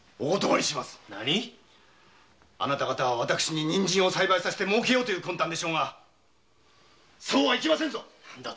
あなた方は私に人参を栽培させてもうける魂胆でしょうがそうはいきませんぞ